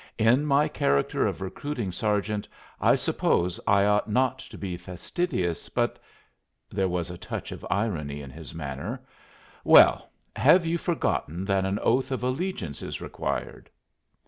In my character of recruiting sergeant I suppose I ought not to be fastidious, but" there was a touch of irony in his manner "well, have you forgotten that an oath of allegiance is required?"